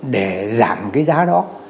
để giảm cái giá đó